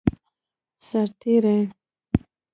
سرتیری